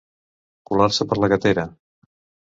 Colar-se per la gatera.